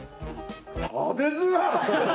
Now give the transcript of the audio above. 食べづらっ！